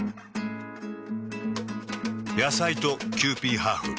野菜とキユーピーハーフ。